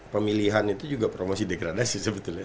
pemilihan itu juga promosi degradasi sebetulnya